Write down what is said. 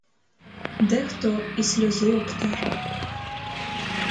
Дехто і сльозу обтер.